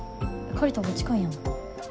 借りたほうが近いやん。